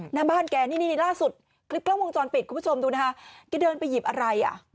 หน้าบ้านแกนี่ล่าสุดคลิปกล้องวงจรปิดคุณผู้ชมดูนะคะ